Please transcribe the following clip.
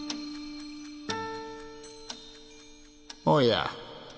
おや？